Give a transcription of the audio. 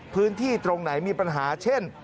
พื้นที่ตรงไหนมีปัญหาเช่น